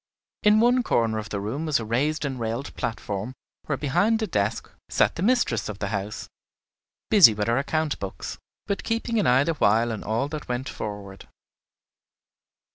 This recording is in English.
In one corner of the room was a raised and railed platform, where behind a desk sat the mistress of the house, busy with her account books, but keeping an eye the while on all that went forward.